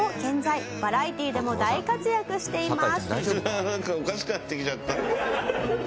「バラエティーでも大活躍しています」